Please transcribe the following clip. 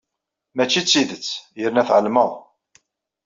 Mačči d tidet, yerna tɛelmeḍ.